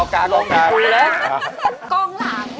กองหลัง